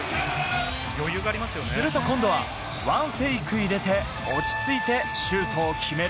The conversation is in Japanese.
すると今度はワンフェイク入れて、落ち着いてシュートを決める